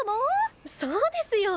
そうですよ。